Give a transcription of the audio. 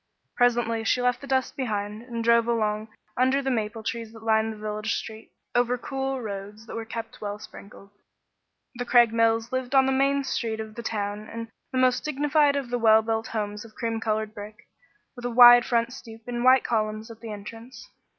Presently she left the dust behind and drove along under the maple trees that lined the village street, over cool roads that were kept well sprinkled. The Craigmiles lived on the main street of the town in the most dignified of the well built homes of cream colored brick, with a wide front stoop and white columns at the entrance.